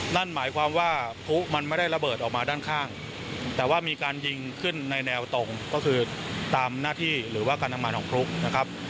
นั่นหมายความว่าพลุมันไม่ได้ระเบิดออกมาด้านข้างแต่ว่ามีการยิงขึ้นในแนวตรงก็คือตามหน้าที่หรือว่าการทำงานของพลุนะครับ